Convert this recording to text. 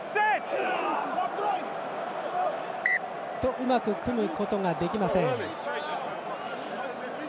うまく組むことができません。